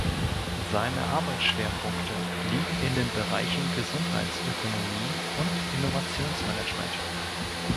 Seine Arbeitsschwerpunkte liegen in den Bereichen Gesundheitsökonomie und Innovationsmanagement.